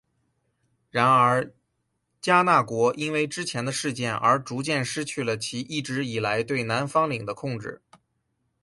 然而迦纳国因为之前的事件而逐渐失去了其一直以来对南方领的控制。